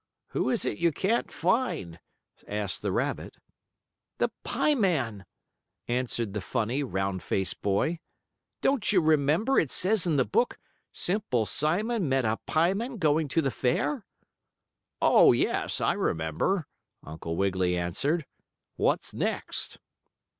"Who is it you can't find?" asked the rabbit. "The pie man," answered the funny, round faced boy. "Don't you remember, it says in the book, 'Simple Simon met a pie man going to the fair?'" "Oh, yes, I remember," Uncle Wiggily answered. "What's next?"